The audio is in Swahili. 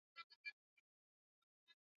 Amevalia miwani kubwa sana.